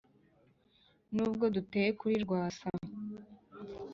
n’ubwo duteye kuri rwasa